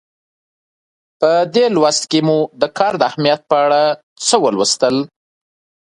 په دې لوست کې مو د کار د اهمیت په اړه څه ولوستل.